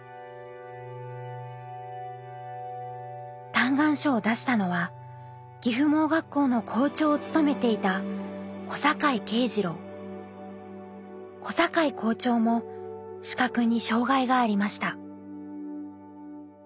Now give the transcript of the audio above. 嘆願書を出したのは岐阜盲学校の校長を務めていた小坂井校長も視覚に障害がありました。